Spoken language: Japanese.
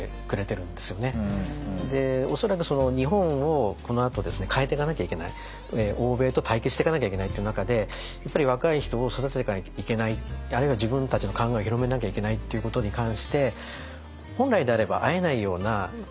で恐らく日本をこのあと変えていかなきゃいけない欧米と対決していかなきゃいけないという中でやっぱり若い人を育てていかなきゃいけないあるいは自分たちの考えを広めなきゃいけないっていうことに関して本来であれば会えないような